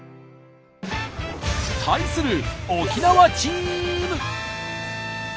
対する沖縄チーム！